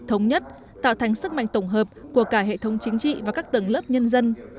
thống nhất tạo thành sức mạnh tổng hợp của cả hệ thống chính trị và các tầng lớp nhân dân